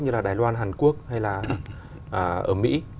như là đài loan hàn quốc hay là ở mỹ